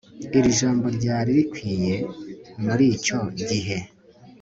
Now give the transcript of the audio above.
Iri jambo ryari rikwiye muricyo gihe